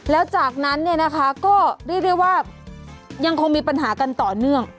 แล้วจากนั้นเนี่ยนะคะก็เรียกได้ว่ายังคงมีปัญหากันต่อเนื่อง